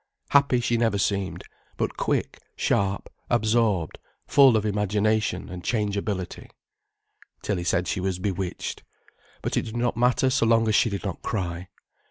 Happy she never seemed, but quick, sharp, absorbed, full of imagination and changeability. Tilly said she was bewitched. But it did not matter so long as she did not cry.